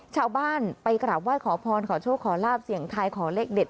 ชาวบ้านไปกราบไหว้ขอพรขอโชคขอลาบเสี่ยงทายขอเลขเด็ด